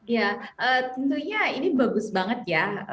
ya tentunya ini bagus banget ya